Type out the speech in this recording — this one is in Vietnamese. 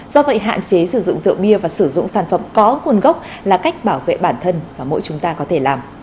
do vậy hạn chế sử dụng rượu bia và sử dụng sản phẩm có nguồn gốc là cách bảo vệ bản thân và mỗi chúng ta có thể làm